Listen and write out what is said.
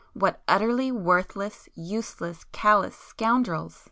—what utterly worthless, useless, callous scoundrels!